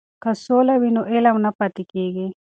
که سوله وي نو علم نه پاتې کیږي.